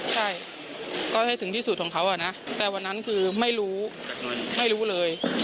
ใช่ก็ให้ถึงที่สุดของเขานะแต่วันนั้นคือไม่รู้ไม่รู้เลย